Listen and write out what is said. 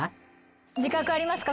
自覚ありますか？